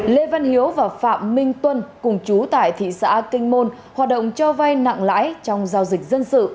lê văn hiếu và phạm minh tuân cùng chú tại thị xã kinh môn hoạt động cho vay nặng lãi trong giao dịch dân sự